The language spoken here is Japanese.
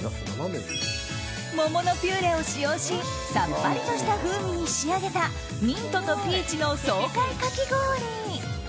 桃のピューレを使用しさっぱりとした風味に仕上げたミントとピーチの爽快かき氷。